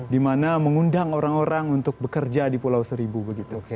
dimana mengundang orang orang untuk bekerja di pulau seribu begitu